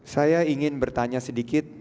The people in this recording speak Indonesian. saya ingin bertanya sedikit